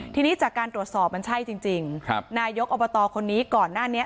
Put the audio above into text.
ทีนี้จากการตรวจสอบมันใช่จริงนายกอบตคนนี้ก่อนหน้านี้